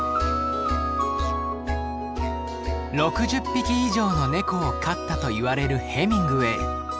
６０匹以上のネコを飼ったといわれるヘミングウェイ。